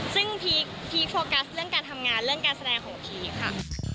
ซึ่งพีคโฟกัสเรื่องการทำงานเรื่องการแสดงของพีคค่ะ